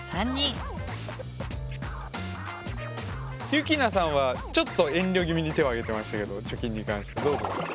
ゆきなさんはちょっと遠慮気味に手を挙げてましたけど貯金に関してどうですか？